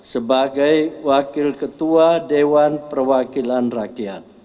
sebagai wakil ketua dewan perwakilan rakyat